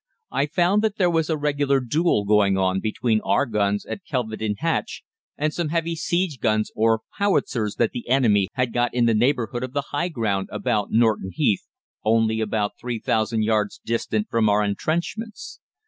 I found that there was a regular duel going on between our guns at Kelvedon Hatch and some heavy siege guns or howitzers that the enemy had got in the neighbourhood of the high ground about Norton Heath, only about 3,000 yards distant from our entrenchments.